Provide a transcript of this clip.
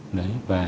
và khi mà